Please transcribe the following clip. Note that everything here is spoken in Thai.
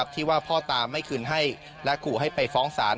ที่ว่าพ่อตาไม่คืนให้และขู่ให้ไปฟ้องศาล